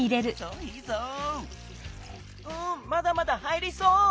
うんまだまだ入りそう！